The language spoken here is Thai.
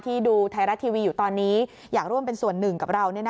ดูไทยรัฐทีวีอยู่ตอนนี้อยากร่วมเป็นส่วนหนึ่งกับเรา